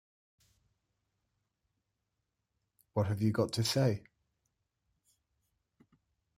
What have you got to say?